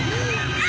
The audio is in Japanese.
あ！！